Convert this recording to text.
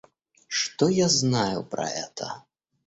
Что я знаю про это?